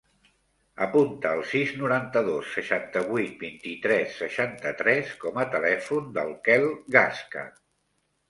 Apunta el sis, noranta-dos, seixanta-vuit, vint-i-tres, seixanta-tres com a telèfon del Quel Gasca.